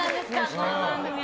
この番組は。